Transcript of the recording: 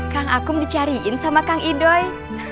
kang akum dicariin sama kang idoi